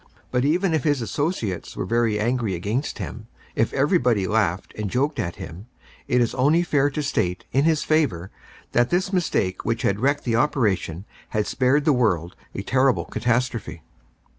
But even if his associates were very angry against him, if everybody laughed and joked at him, it is only fair to state in his favor that this mistake which had wrecked the operation had spared the world a terrible catastrophe.